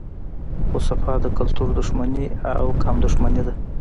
خو صفا د کلتور دښمني او قام دښمني ده